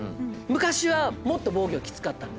昔はもっと防御きつかったんですよ。